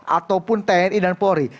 ataupun tni dan polri